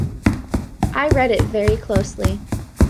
I read it very closely.